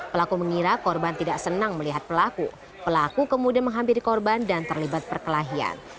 pelaku mengira korban tidak senang melihat pelaku pelaku kemudian menghampiri korban dan terlibat perkelahian